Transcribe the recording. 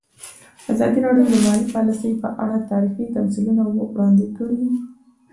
ازادي راډیو د مالي پالیسي په اړه تاریخي تمثیلونه وړاندې کړي.